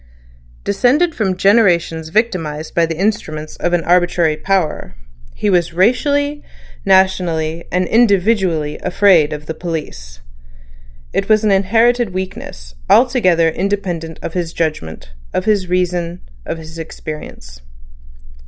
Descended from generations victimised by the instruments of an arbitrary power, he was racially, nationally, and individually afraid of the police. It was an inherited weakness, altogether independent of his judgment, of his reason, of his experience.